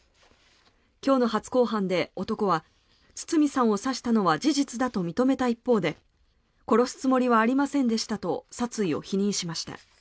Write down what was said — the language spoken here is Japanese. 今日の初公判で、男は堤さんを刺したのは事実だと認めた一方で殺すつもりはありませんでしたと殺意を否認しました。